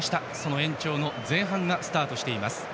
延長前半がスタートしています。